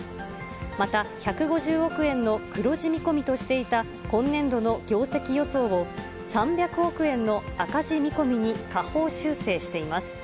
また、１５０億円の黒字見込みとしていた今年度の業績予想を３００億円の赤字見込みに下方修正しています。